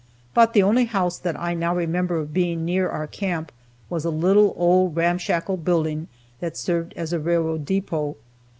But the only house that I now remember of being near our camp was a little, old, ramshackle building that served as a railroad depot.